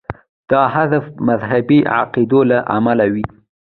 دا حذف د مذهبي عقایدو له امله وي.